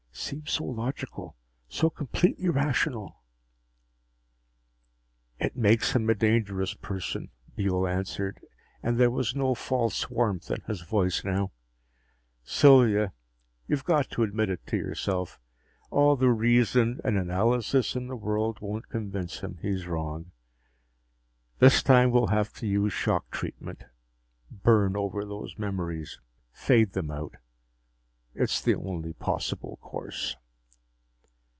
" seems so logical, so completely rational." "It makes him a dangerous person," Buehl answered, and there was no false warmth in his voice now. "Sylvia, you've got to admit it to yourself. All the reason and analysis in the world won't convince him he's wrong. This time we'll have to use shock treatment. Burn over those memories, fade them out. It's the only possible course."